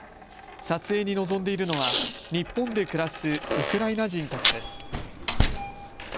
撮影に臨んでいるのは日本で暮らすウクライナ人たちです。